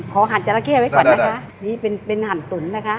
หั่นจราเข้ไว้ก่อนนะคะนี่เป็นเป็นหั่นตุ๋นนะคะ